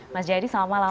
mas jayadi selamat malam